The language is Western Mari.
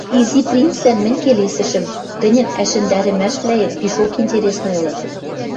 — Изи принцлӓн мӹнь келесӹшӹм, — тӹньӹн ӓшӹндӓрӹмӓшвлӓэт пишок интересный ылыт